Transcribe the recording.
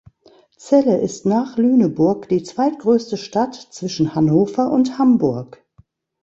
Celle ist nach Lüneburg die zweitgrößte Stadt zwischen Hannover und Hamburg.